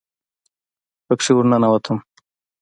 پکښې ورننوتم.